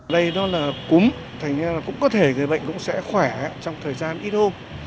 đây nó là cúm thành ra là cũng có thể người bệnh cũng sẽ khỏe trong thời gian ít hôm